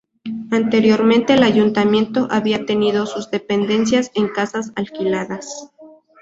Anteriormente el ayuntamiento había tenido sus dependencias en casas alquiladas.